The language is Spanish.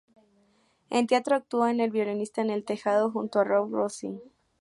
En teatro actuó en "El violinista en el tejado", junto a Raúl Rossi.